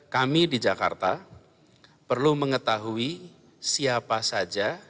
kami di jakarta perlu mengetahui siapa saja